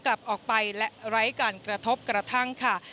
กลับออกไปและไร้การกระทบกระทั่งค่ะ